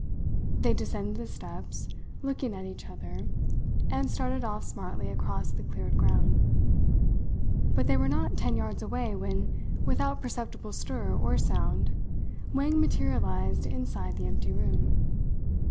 They descended the steps, looking at each other, and started off smartly across the cleared ground; but they were not ten yards away when, without perceptible stir or sound, Wang materialized inside the empty room.